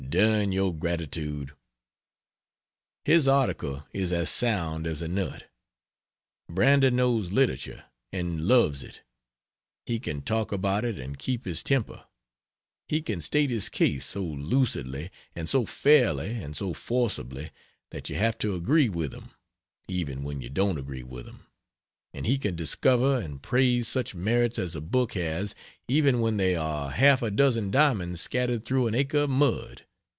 Dern your gratitude! His article is as sound as a nut. Brander knows literature, and loves it; he can talk about it and keep his temper; he can state his case so lucidly and so fairly and so forcibly that you have to agree with him, even when you don't agree with him; and he can discover and praise such merits as a book has, even when they are half a dozen diamonds scattered through an acre of mud.